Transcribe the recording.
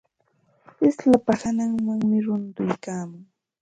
Slapa hananmanmi runtuykaamun.